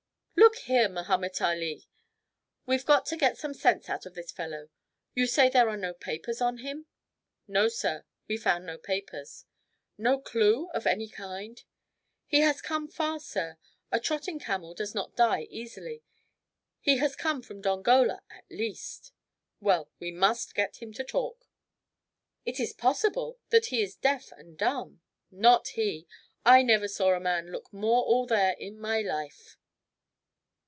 "Look here, Mahomet Ali, we've got to get some sense out of this fellow. You say there are no papers on him?" "No, sir; we found no papers." "No clue of any kind?" "He has come far, sir. A trotting camel does not die easily. He has come from Dongola, at least." "Well, we must get him to talk." "It is possible that he is deaf and dumb." "Not he. I never saw a man look more all there in my life."